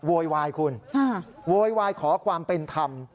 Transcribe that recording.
โวยวายคุณโวยวายขอความเป็นธรรม